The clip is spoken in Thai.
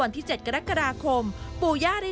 วันนี้มาที่อันที่๑๕อายุ